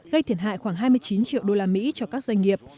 gây thiệt hại khoảng hai mươi chín triệu đô la mỹ cho các doanh nghiệp